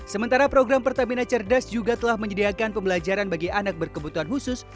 sementara program pertamina cerdas juga telah menyediakan pembelajaran bagi anak berkebutuhan khusus